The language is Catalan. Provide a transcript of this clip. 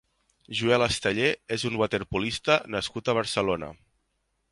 Joel Esteller és un waterpolista nascut a Barcelona.